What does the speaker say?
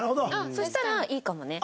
そしたらいいかもね。